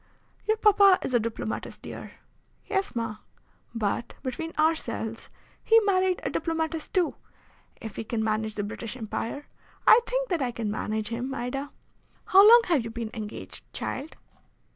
"Your papa is a diplomatist, dear." "Yes, ma." "But, between ourselves, he married a diplomatist too. If he can manage the British Empire, I think that I can manage him, Ida. How long have you been engaged, child?"